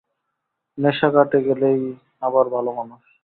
নেশা কেটে গেলেই আবার ভালোমানুষ।